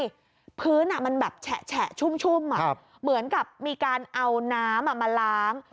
พื้นมันแบบแฉะชุ่มเหมือนกับมีการเอาน้ำมาล้าง